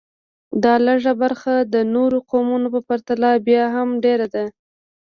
دا لږه برخه د نورو قومونو په پرتله بیا هم ډېره ده